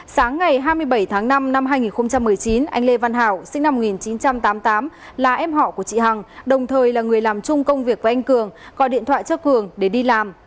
sáng ngày hai mươi bảy tháng năm năm hai nghìn một mươi chín anh lê văn hảo sinh năm một nghìn chín trăm tám mươi tám là em họ của chị hằng đồng thời là người làm chung công việc với anh cường gọi điện thoại cho cường để đi làm